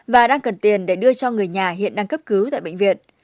và đang cần tiền để đưa cho người nhà hiện đang cấp cứu tại bệnh viện